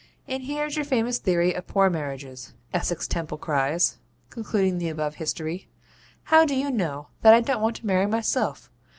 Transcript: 'And here's your famous theory of poor marriages!' Essex Temple cries, concluding the above history. 'How do you know that I don't want to marry myself?